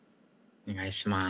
お願いします。